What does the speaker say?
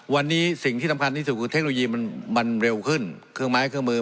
วันนี้สิ่งที่สำคัญที่สุดคือเทคโนโลยีมันมันเร็วขึ้นเครื่องไม้เครื่องมือ